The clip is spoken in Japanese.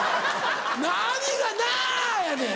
何が「なぁ！」やねん！